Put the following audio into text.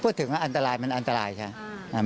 พูดถึงว่าอันตรายมันอันตรายใช่ไหม